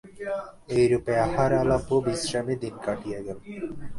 এইরূপে আহার আলাপ ও বিশ্রামে দিন কাটিয়া গেল।